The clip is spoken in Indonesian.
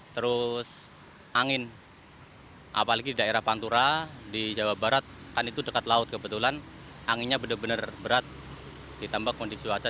terus angin apalagi di daerah pantura di jawa barat kan itu dekat laut kebetulan anginnya benar benar berat ditambah kondisi cuaca